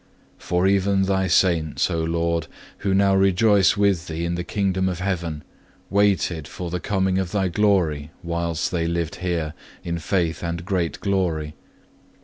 For even Thy Saints, O Lord, who now rejoice with Thee in the kingdom of heaven, waited for the coming of Thy glory whilst they lived here, in faith and great glory.